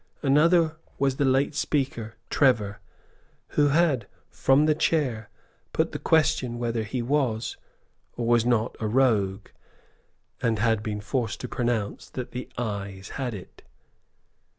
Another was the late Speaker, Trevor, who had, from the chair, put the question whether he was or was not a rogue, and had been forced to pronounce that the Ayes had it.